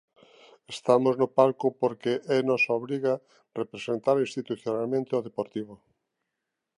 Estamos no palco porque é a nosa obriga representar institucionalmente o Deportivo.